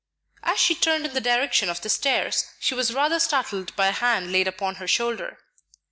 As she turned in the direction of the stairs, she was rather startled by a hand laid upon her shoulder.